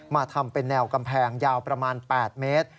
มาทำเป็นแนวกำแพงยาวประมาณ๘เมตร